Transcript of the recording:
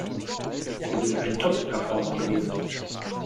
Sie sind ein Top-Performer gewesen.